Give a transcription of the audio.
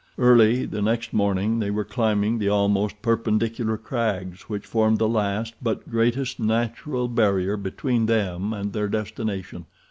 Early the next morning they were climbing the almost perpendicular crags which formed the last, but greatest, natural barrier between them and their destination.